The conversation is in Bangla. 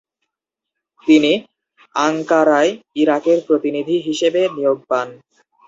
তিনি আঙ্কারায় ইরাকের প্রতিনিধি হিসেবে নিয়োগ পান।